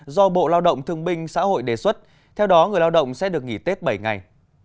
do bộ lao động thương binh xã hội đề xuất theo đó người lao động sẽ được nghỉ tết bảy ngày